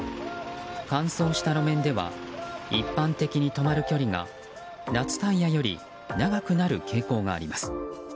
乾燥した路面では一般的に止まる距離が夏タイヤより長くなる傾向があります。